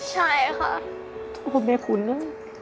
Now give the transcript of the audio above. ใช่ค่ะ